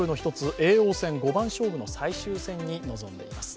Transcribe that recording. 叡王戦五番勝負の最終戦に臨んでいます。